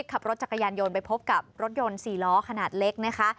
ขับรถจักรยานยนต์ไปพบกับรถยนต์๔ล้อขนาดเล็กนะคะ